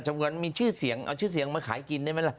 เหมือนมีชื่อเสียงเอาชื่อเสียงมาขายกินได้ไหมล่ะ